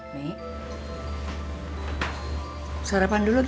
nih serepan dulu g